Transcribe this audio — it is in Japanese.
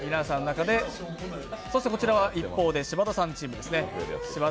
こちらは柴田さんチームですね。